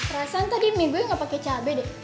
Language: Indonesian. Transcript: rasanya tadi mie gue gak pake cabai deh